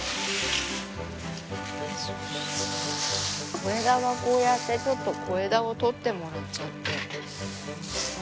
小枝はこうやってちょっと小枝を取ってもらっちゃって。